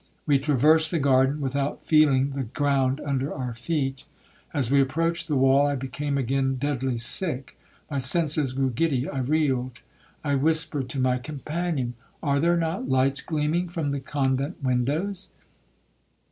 We traversed the garden, without feeling the ground under our feet. As we approached the wall, I became again deadly sick,—my senses grew giddy, I reeled. I whispered to my companion, 'Are there not lights gleaming from the convent windows?'